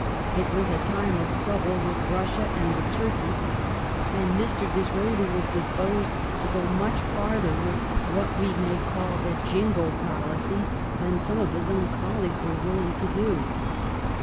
It was a time of trouble with Russia and with Turkey, and Mr. Disraeli was disposed to go much farther with what we may call the Jingo policy than some of his own colleagues were willing to do.